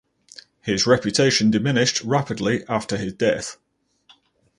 His reputation diminished rapidly after his death.